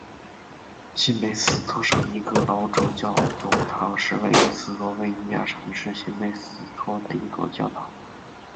新梅斯托圣尼各老主教座堂是位于斯洛维尼亚城市新梅斯托的一座教堂。